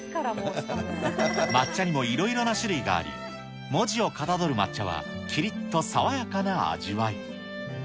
抹茶にもいろいろな種類があり、文字をかたどる抹茶はきりっと爽やかな味わい。